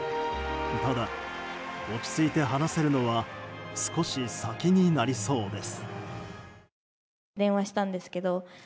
ただ、落ち着いて話せるのは少し先になりそうです。